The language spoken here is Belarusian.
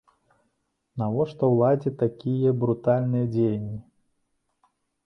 Навошта ўладзе такія брутальныя дзеянні?